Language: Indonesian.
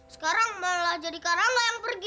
sekarang malah jadi karama yang pergi